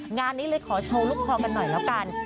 งานนี้เลยขอโชว์ลูกคอกันหน่อยแล้วกัน